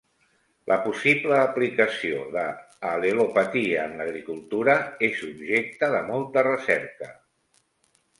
La possible aplicació de al·lelopatia en l'agricultura és objecte de molta recerca.